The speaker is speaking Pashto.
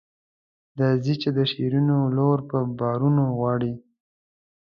درځئ چې د شیرینو ولور په بارونو غواړي.